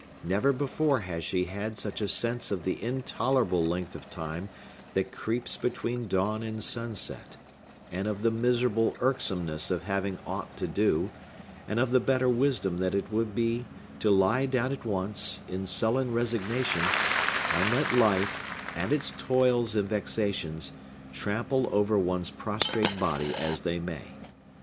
Never before had she had such a sense of the intolerable length of time that creeps between dawn and sunset, and of the miserable irksomeness of having aught to do, and of the better wisdom that it would be to lie down at once, in sullen resignation, and let life, and its toils and vexations, trample over one's prostrate body as they may!